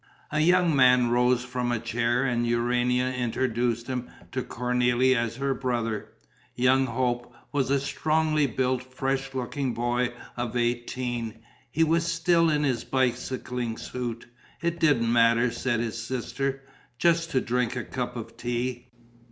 A young man rose from a chair and Urania introduced him to Cornélie as her brother. Young Hope was a strongly built, fresh looking boy of eighteen; he was still in his bicycling suit: it didn't matter, said his sister, just to drink a cup of tea.